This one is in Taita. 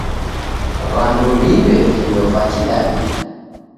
W'andu w'iw'e vindo va Kidaw'ida.